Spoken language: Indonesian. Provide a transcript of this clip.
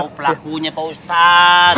tahu pelakunya pak ustadz